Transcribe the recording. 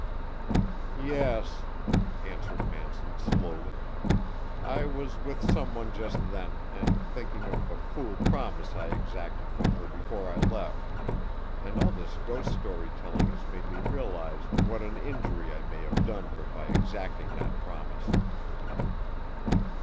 "Yes," answered Manson slowly, "I was with some one just then, and thinking of a fool promise I exacted from her before I left, and all this ghost story telling has made me realize what an injury I may have done her by exacting that promise."